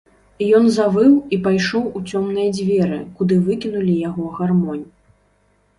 Ён завыў і пайшоў у цёмныя дзверы, куды выкінулі яго гармонь.